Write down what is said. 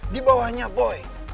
di bawahnya boy